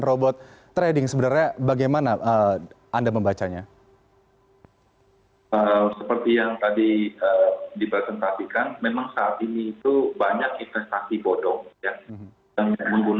rekomendasinya bisa berarti beratkan dan kita bisa menangani seperti itu